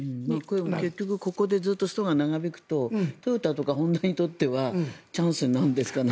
結局ここでずっとストが長引くとトヨタとかホンダにとってはチャンスなんですかね。